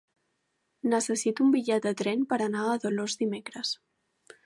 Necessito un bitllet de tren per anar a Dolors dimecres.